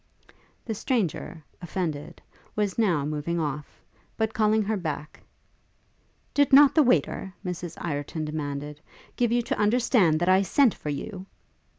The stranger, offended, was now moving off, but, calling her back, 'Did not the waiter,' Mrs Ireton demanded, 'give you to understand that I sent for you?'